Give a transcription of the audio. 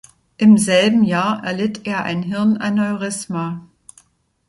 Im selben Jahr erlitt er ein Hirn-Aneurysma.